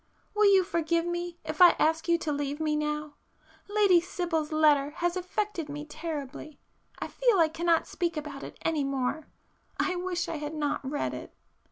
Will you forgive me if I ask you to leave me now?——Lady Sibyl's letter has affected me terribly—I feel I cannot speak about it any more.... I wish I had not read it...."